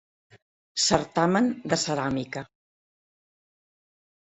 Certamen de Ceràmica.